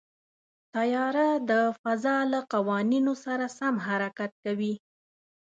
طیاره د فضا له قوانینو سره سم حرکت کوي.